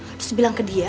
terus bilang ke dia